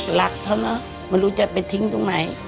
หลักเขาเนอะไม่รู้จะไปทิ้งตรงไหน